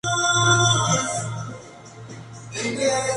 Sigue con el recorrido hasta llegar a Rosalía de Castro y Castillo de Fontecha.